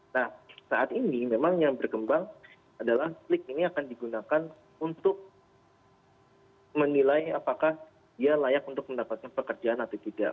nah saat ini memang yang berkembang adalah slik ini akan digunakan untuk menilai apakah dia layak untuk mendapatkan pekerjaan atau tidak